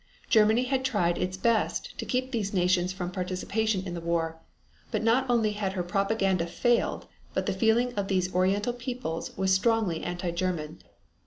Germany had tried its best to keep these nations from participation in the war, but not only had her propaganda failed but the feeling of these Oriental peoples was strongly anti German.